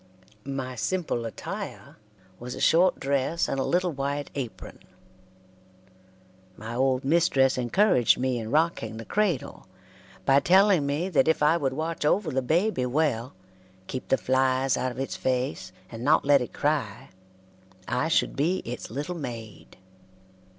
My simple attire was a short dress and a little white apron. My old mistress encouraged me in rocking the cradle, by telling me that if I would watch over the baby well, keep the flies out of its face, and not let it cry, I should be its little maid.